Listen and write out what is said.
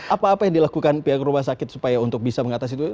apa apa yang dilakukan pihak rumah sakit supaya untuk bisa mengatasi itu